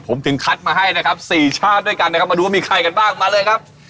ผมถึงคัดมาให้นะครับ๔ชาติด้วยกันนะครับมาดูว่ามีใครกันบ้างมาเลยครับ